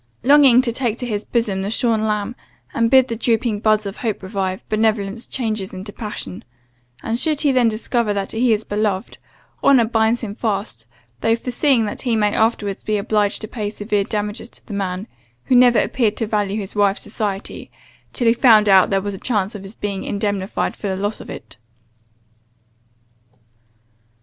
Longing to take to his bosom the shorn lamb, and bid the drooping buds of hope revive, benevolence changes into passion: and should he then discover that he is beloved, honour binds him fast, though foreseeing that he may afterwards be obliged to pay severe damages to the man, who never appeared to value his wife's society, till he found that there was a chance of his being indemnified for the loss of it.